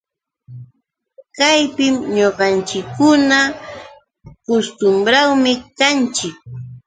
Kaypi ñuqanchikkunaqa kustumbrawmi kanchik